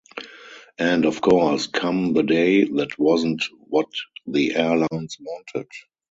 And, of course, come the day, that wasn't what the airlines wanted.